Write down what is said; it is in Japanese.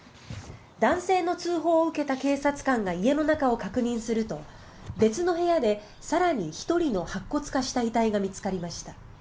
男性の通報を受けた警察官が家の中を確認すると別の部屋で更に１人の白骨化した遺体が見つかりました。